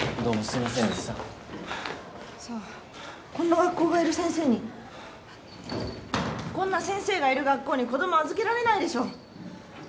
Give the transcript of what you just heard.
こんな学校がいる先生にこんな先生がいる学校に子ども預けられないでしょ。